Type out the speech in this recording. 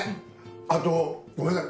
あとごめんなさい。